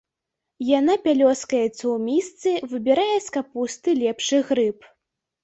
Яна пялёскаецца ў місцы, выбірае з капусты лепшы грыб.